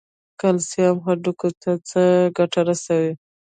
کلسیم هډوکو ته څه ګټه رسوي؟